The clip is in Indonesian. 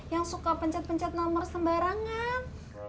yang suka pencet pencet nomor sembarangan